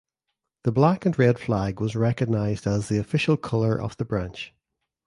The black and red flag was recognized as the official color of the branch.